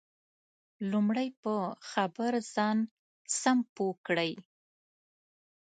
لمړی په خبر ځان سم پوه کړئ